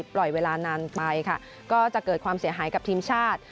ปล่อยเวลานานไปค่ะก็จะเกิดความเสียหายกับทีมชาติ